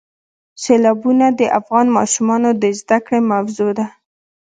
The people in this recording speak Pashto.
سیلابونه د افغان ماشومانو د زده کړې موضوع ده.